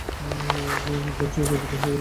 জয়সিংহ বিদায় হইয়া গেলেন।